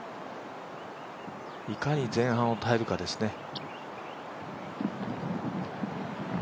いかに前半を耐えるかですね。